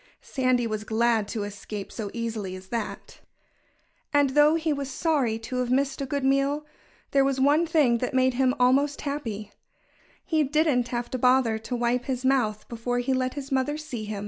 Sandy was glad to escape so easily as that. And though he was sorry to have missed a good meal, there was one thing that made him almost happy: He didn't have to bother to wipe his mouth before he let his mother see him.